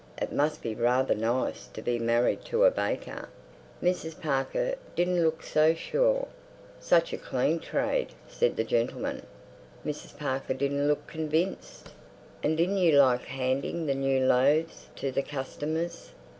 "It must be rather nice to be married to a baker!" Mrs. Parker didn't look so sure. "Such a clean trade," said the gentleman. Mrs. Parker didn't look convinced. "And didn't you like handing the new loaves to the customers?"